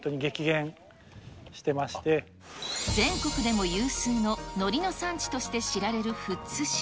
全国でも有数のノリの産地として知られる富津市。